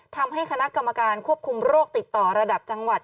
ทำให้คณะกรรมการควบคุมโรคติดต่อระดับจังหวัด